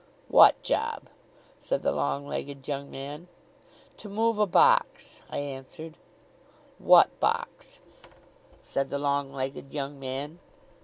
'Wot job?' said the long legged young man. 'To move a box,' I answered. 'Wot box?' said the long legged young man.